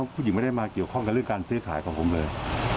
ผู้หญิงไม่ได้มาเกี่ยวข้องกับเรื่องการซื้อขายของผมเลย